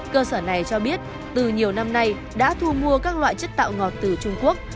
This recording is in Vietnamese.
cơ sở này cho biết từ nhiều năm nay đã thu mua các loại chất tạo ngọt từ trung quốc